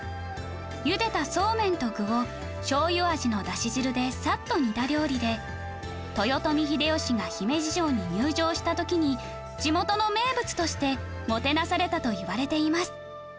ゆでたそうめんと具をしょう油味のだし汁でサッと煮た料理で豊臣秀吉が姫路城に入城した時に地元の名物としてもてなされたといわれています